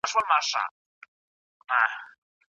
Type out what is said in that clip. تاسو له مثبتو خلګو سره ښه اړیکه لرئ.